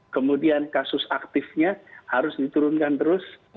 kemudian kasus aktifnya harus diturunkan terus